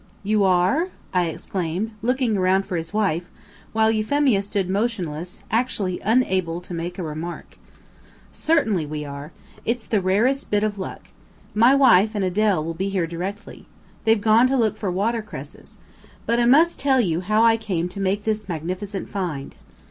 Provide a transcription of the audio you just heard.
"You are?" I exclaimed, looking around for his wife, while Euphemia stood motionless, actually unable to make a remark. "Certainly we are. It's the rarest bit of luck. My wife and Adele will be here directly. They've gone to look for water cresses. But I must tell you how I came to make this magnificent find.